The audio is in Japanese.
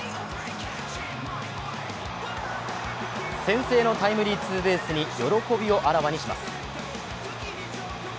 先制のタイムリーツーベースに喜びをあらわにします。